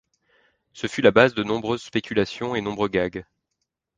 Ce fut la base de nombreuses spéculations et nombreux gags.